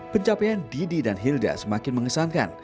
pencapaian didi dan hilda semakin mengesankan